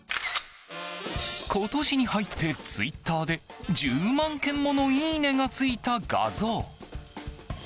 今年に入ってツイッターで１０万件ものいいねがついた画像。